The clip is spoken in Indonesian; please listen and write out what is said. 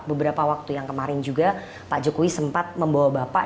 beberapa waktu yang kemarin juga pak jokowi sempat membawa bapak